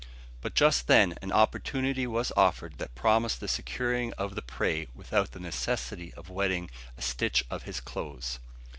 But just then an opportunity was offered that promised the securing of the prey without the necessity of wetting a stitch of his clothes.